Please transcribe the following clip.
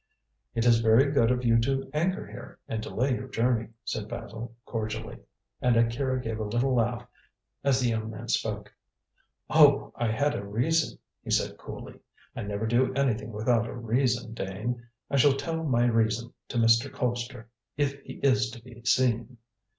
"It is very good of you to anchor here, and delay your journey," said Basil cordially; and Akira gave a little laugh as the young man spoke. "Oh, I had a reason," he said coolly. "I never do anything without a reason, Dane. I shall tell my reason to Mr. Colpster, if he is to be seen."